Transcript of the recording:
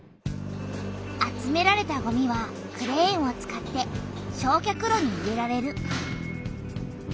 集められたごみはクレーンを使って焼却炉に入れられる。